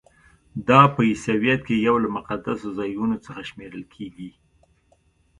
دا په عیسویت کې یو له مقدسو ځایونو څخه شمیرل کیږي.